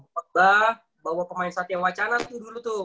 khutbah bawa pemain satya wacana tuh dulu tuh